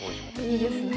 いいですね。